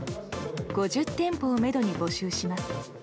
５０店舗をめどに募集します。